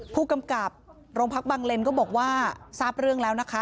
ผู้กำกับโรงพักบังเลนก็บอกว่าทราบเรื่องแล้วนะคะ